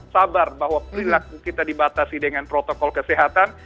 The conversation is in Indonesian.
sabar bahwa perilaku kita dibatasi dengan protokol kesehatan